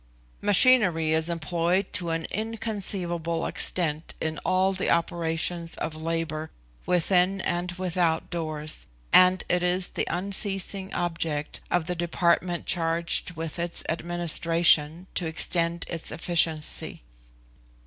Machinery is employed to an inconceivable extent in all the operations of labour within and without doors, and it is the unceasing object of the department charged with its administration to extend its efficiency.